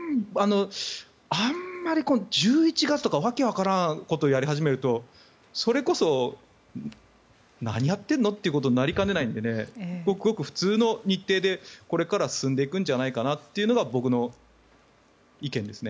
あんまり１１月とか訳わからないことを言い始めるとそれこそ何やってんのってことになりかねないのでごくごく普通の日程で、これから進んでいくんじゃないかなというのが僕の意見ですね。